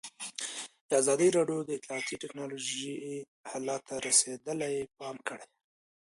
ازادي راډیو د اطلاعاتی تکنالوژي حالت ته رسېدلي پام کړی.